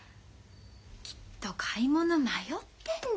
きっと買い物迷ってんだ！